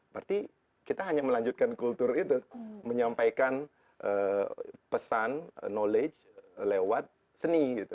berarti kita hanya melanjutkan kultur itu menyampaikan pesan knowledge lewat seni gitu